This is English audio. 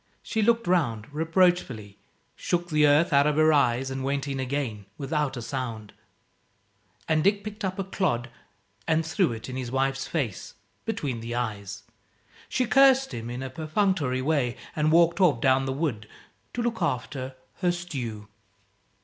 She looked round, reproachfully, shook the earth out of her eyes and went in again without a sound. And Dick picked up a clod and threw it in his wife's face, between the eyes. She cursed him, in a perfunctory way, and walked off, down the wood, to look after her stew.